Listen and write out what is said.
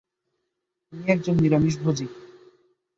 তিনি একজন নিরামিষভোজী।